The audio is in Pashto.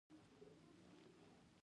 قانون د ولسمشر لخوا توشیح کیږي.